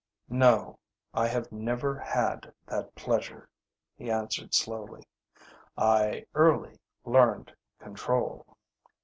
"No, I have never had that pleasure," he answered slowly. "I early learned control."